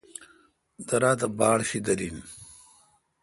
درا تہ باڑ شیدل این۔